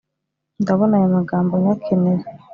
ndabona aya magambo nyakeneye